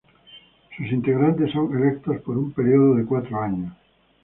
Sus integrantes son electos por un período de cuatro años.